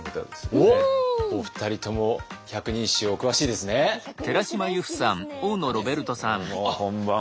どうもこんばんは。